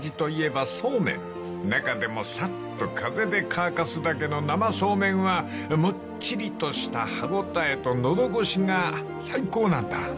［中でもさっと風で乾かすだけの生素麺はもっちりとした歯応えと喉越しが最高なんだ］